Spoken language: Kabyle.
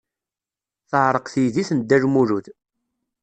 Teɛreq teydit n Dda Lmulud.